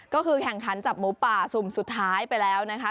ก็คือแข่งขันจับหมูป่าสุ่มสุดท้ายไปแล้วนะคะ